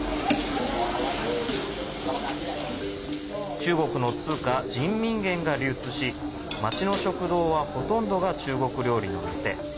中国の通貨、人民元が流通し街の食堂はほとんどが中国料理の店。